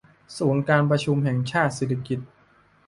ศูนย์การประชุมแห่งชาติสิริกิติ์